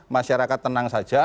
masyarakat tenang saja